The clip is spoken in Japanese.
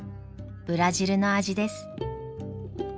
ブラジルの味です。